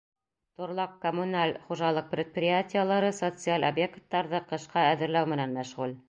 Торлаҡ-коммуналь хужалыҡ предприятиелары социаль объекттарҙы ҡышҡа әҙерләү менән мәшғүл.